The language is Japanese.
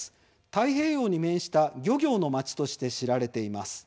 太平洋に面した漁業の町として知られています。